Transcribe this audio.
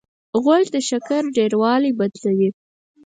غول د شکر ډېروالی بدلوي.